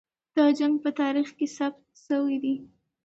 دا جنګ په تاریخ کې ثبت سوی دی.